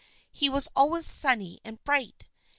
He was always sunny and bright.